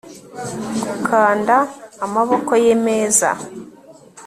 Gukanda amaboko ye meza